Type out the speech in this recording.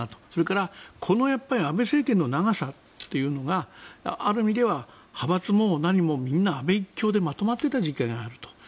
それから安倍政権の長さというのがある意味では派閥も何もみんな安倍一強でまとまっていた時期があると。